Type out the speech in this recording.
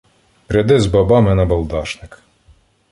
Пряде з бабами набалдашник!